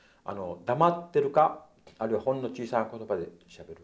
黙ってるかあるいはほんの小さい言葉でしゃべる。